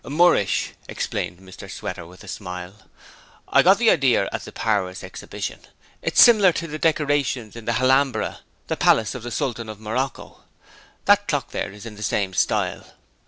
'Moorish,' explained Mr Sweater with a smile. 'I got the idear at the Paris Exhibition. It's simler to the decorations in the "Halambara", the palace of the Sultan of Morocco. That clock there is in the same style.'